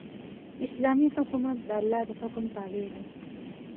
اسلامي حکومت د الله د حکم تابع دی.